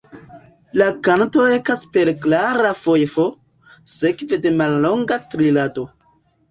La kanto ekas per klara fajfo, sekve de mallonga trilado.